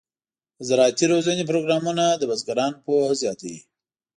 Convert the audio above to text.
د زراعتي روزنې پروګرامونه د بزګرانو پوهه زیاتوي.